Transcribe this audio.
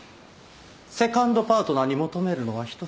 セカンドパートナーに求めるのは人それぞれ。